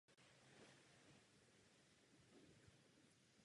Kostel tvoří dominantu centrálního Žižkova náměstí.